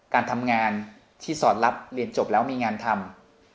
การทำงานที่สอดรับเรียนจบแล้วมีงานทำ